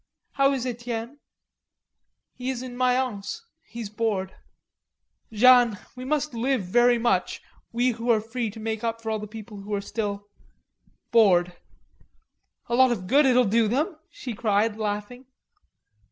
How is Etienne?" "He is in Mayence. He's bored." "Jeanne, we must live very much, we who are free to make up for all the people who are still... bored." "A lot of good it'll do them," she cried laughing.